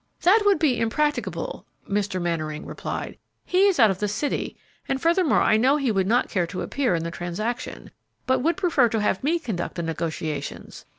"That would be impracticable," Mr. Mannering replied; "he is out of the city; and furthermore I know he would not care to appear in the transaction, but would prefer to have me conduct the negotiations.